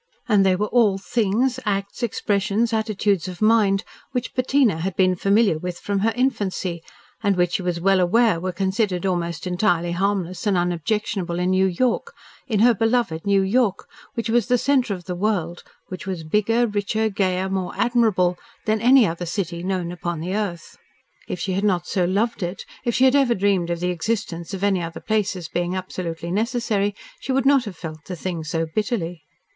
And they were all things, acts, expressions, attitudes of mind which Bettina had been familiar with from her infancy, and which she was well aware were considered almost entirely harmless and unobjectionable in New York, in her beloved New York, which was the centre of the world, which was bigger, richer, gayer, more admirable than any other city known upon the earth. If she had not so loved it, if she had ever dreamed of the existence of any other place as being absolutely necessary, she would not have felt the thing so bitterly.